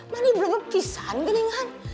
mali berbebis an gini kan